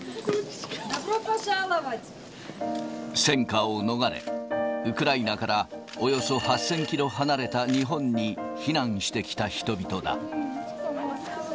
戦火を逃れ、ウクライナからおよそ８０００キロ離れた日本に避難してきた人々だ。